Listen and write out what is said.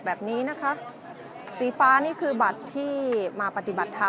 เมื่อเวลาอันดับสุดท้ายเมื่อเวลาอันดับสุดท้าย